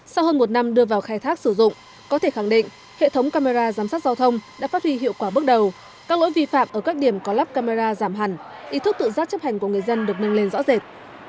sau hơn một năm đưa vào khai thác sử dụng có thể khẳng định hệ thống camera giám sát giao thông đã phát huy hiệu quả bước đầu các lỗi vi phạm ở các điểm có lắp camera giảm hẳn ý thức tự giác chấp hành của người dân được nâng lên rõ rệt